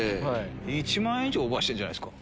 １万円以上オーバーしてんじゃないっすか？